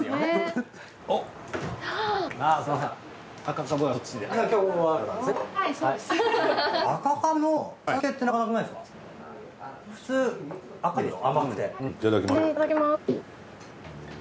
えぇいただきます。